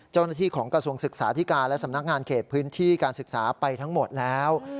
เจ้าหน้าที่ของกระทรวงศึกษาธิการและสำนักงานเขตพื้นที่การศึกษาไปทั้งหมดแล้ว